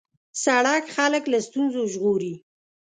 سړک خلک له ستونزو ژغوري.